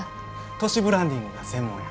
都市ブランディングが専門や。